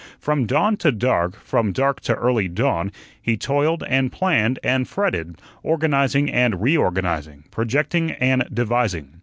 From dawn to dark, from dark to early dawn, he toiled and planned and fretted, organizing and reorganizing, projecting and devising.